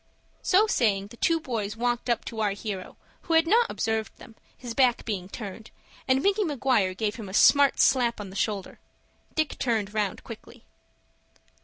So saying the two boys walked up to our hero, who had not observed them, his back being turned, and Micky Maguire gave him a smart slap on the shoulder. Dick turned round quickly.